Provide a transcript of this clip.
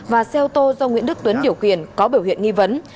và xe ô tô do nguyễn đức tuấn điều khiển có biểu hiện nghi vấn